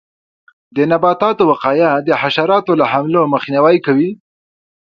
د نباتاتو وقایه د حشراتو له حملو مخنیوی کوي.